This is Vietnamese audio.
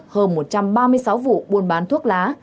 hơn một trăm ba mươi sáu vụ buôn bán thuốc lá